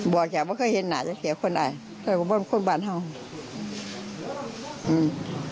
บอกแค่ว่าเคยเห็นหน่าจะเขียวคนไอแต่ว่าเป็นคนบ้านเท่านั้น